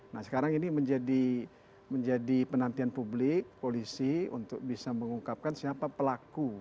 nah sekarang ini menjadi penantian publik polisi untuk bisa mengungkapkan siapa pelaku